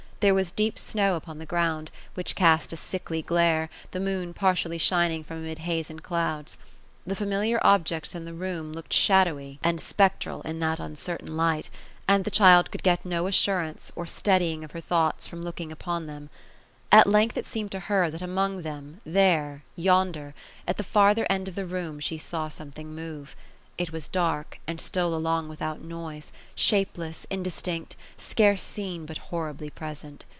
There was deep snow upon the ground — which cast a sickly glare, the moon partially shining from amid haze and clouds. The familiar objects in the room looked shadowy and THE BOSS OF BL8INORE. 223 spectral in that anoertain light ; and the child could get no assurance, or steadying of her thoughts, from looking upon them. At length it seemed to her, that among them, — there — yonder — at the farther end of the room, she saw something move. It was dark, and stole along without noise ; shapeless, indistinct, scarce seen, but horribly present.